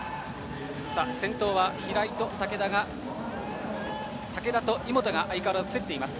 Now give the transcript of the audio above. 先頭は竹田と井本が相変わらず競っています。